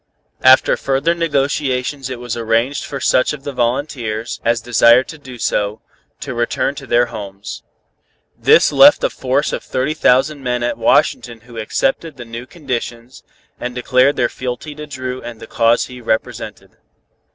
After further negotiations it was arranged for such of the volunteers as desired to do so, to return to their homes. This left a force of thirty thousand men at Washington who accepted the new conditions, and declared fealty to Dru and the cause he represented.